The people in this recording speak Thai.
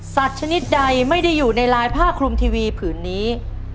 ชนิดใดไม่ได้อยู่ในลายผ้าคลุมทีวีผืนนี้